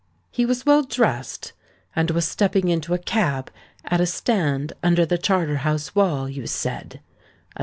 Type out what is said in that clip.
"He was well dressed, and was stepping into a cab at the stand under the Charterhouse wall, you said?"